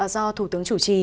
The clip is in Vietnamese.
do thủ tướng chủ trì